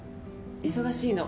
忙しいの。